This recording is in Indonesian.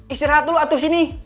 istirahat dulu atur sini